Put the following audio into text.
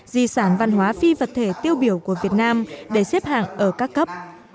di sản văn hóa phi vật thể tiêu biểu của việt nam để xếp hạng ở các cấp